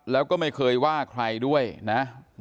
แล้วก็ไม่เคยว่าใครด้วยนะ